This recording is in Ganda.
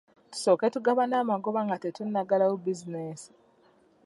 Tusooke tugabana amagoba nga tetunnaggalawo bizinensi.